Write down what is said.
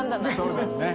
そうだよね。